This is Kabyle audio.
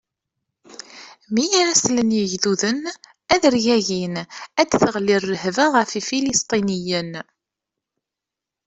Mi ara slen yegduden, ad rgagin, ad d-teɣli rrehba ɣef Ifilistiyen.